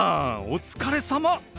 お疲れさま。